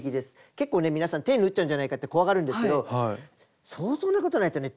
結構ね皆さん手縫っちゃうんじゃないかって怖がるんですけど相当なことないとね